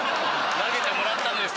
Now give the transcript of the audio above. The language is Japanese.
投げてもらったのよ